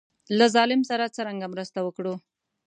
له ظالم سره څرنګه مرسته وکړو.